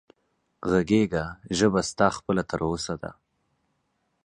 غږېږه ژبه ستا خپله تر اوسه ده